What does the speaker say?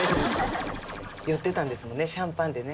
酔ってたんですもんねシャンパンでね。